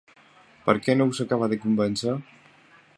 Per què no us acaba de convèncer?